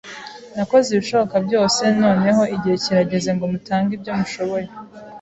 Nakoze ibishoboka byose. Noneho igihe kirageze ngo mutange ibyo mushoboye.